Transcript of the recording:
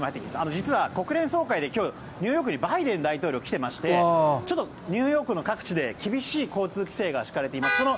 実は国連総会で今日ニューヨークにバイデン大統領が来てましてニューヨークの各地で厳しい交通規制が敷かれています。